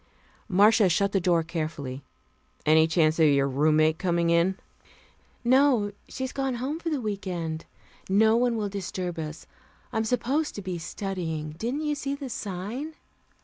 Marcia shut the door carefully. "Any chance of your roommate coming in?" "No, she's gone home for the week end. No one will disturb us. I'm supposed to be studying. Didn't you see the sign?"